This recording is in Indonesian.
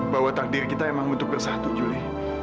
bahwa takdir kita emang untuk bersatu juli